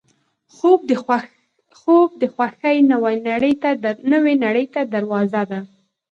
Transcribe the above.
خوب د خوښۍ نوې نړۍ ته دروازه ده